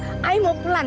saya mau pelan